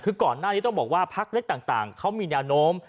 คือก่อนหน้านี้ต้องบอกว่าพักเล็กต่างเขามีแนวโน้ม